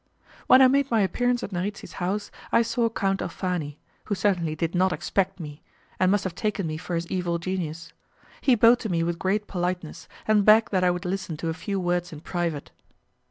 When I made my appearance at Narici's house I saw Count Alfani, who certainly did not expect me, and must have taken me for his evil genius. He bowed to me with great politeness, and begged that I would listen to a few words in private.